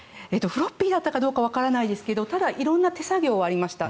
フロッピーだったかどうかはわからないんですがただ、色んな手作業がありました。